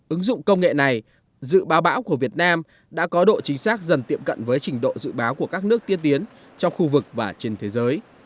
ứng dụng công nghệ này dự báo bão của việt nam đã có độ chính xác dần tiệm cận với trình độ dự báo của các nước tiên tiến trong khu vực và trên thế giới